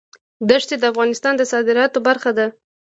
دښتې د افغانستان د صادراتو برخه ده.